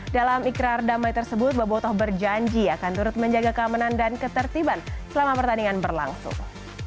dalam ikrar damai tersebut bobotoh berjanji akan turut menjaga keamanan dan ketertiban selama pertandingan berlangsung